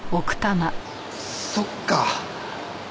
そっか。